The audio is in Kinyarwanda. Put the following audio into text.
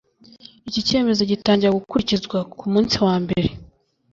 iki cyemezo gitangira gukurikizwa ku munsi wambere